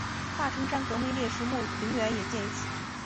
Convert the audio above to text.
大城山革命烈士陵园也建于此。